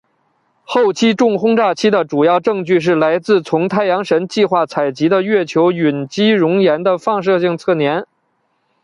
后期重轰炸期的主要证据是来自从太阳神计画采集的月球陨击熔岩的放射性测年。